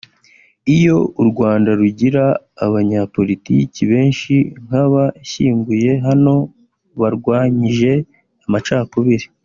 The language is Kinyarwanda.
Iyo u Rwanda rugira abanyapolitiki benshi nk'abashyinguye hano barwanyije amacakubiri